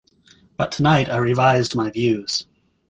But tonight I revised my views.